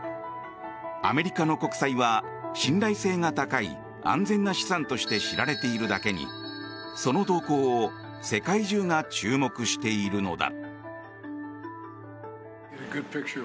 アメリカの国債は信頼性が高い安全な資産として知られているだけにその動向を世界中が注目しているのだ。